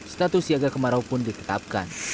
status siaga kemarau pun ditetapkan